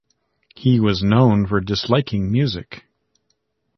He was known for disliking music.